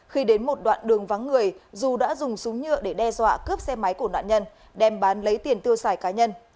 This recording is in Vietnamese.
khi đến một đoạn đường vắng người dù đã dùng súng nhựa để đe dọa cướp xe máy của nạn nhân đem bán lấy tiền tiêu xài cá nhân